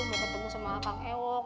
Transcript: mau ketemu sama akang ewok